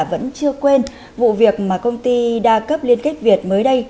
vẫn chưa quên vụ việc mà công ty đa cấp liên kết việt mới đây